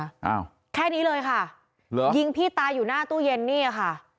อ้าวแค่นี้เลยค่ะเหรอยิงพี่ตายอยู่หน้าตู้เย็นนี่ค่ะ